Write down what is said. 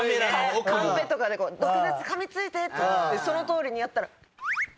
カンペとかで「毒舌！かみついて！」ってそのとおりにやったら。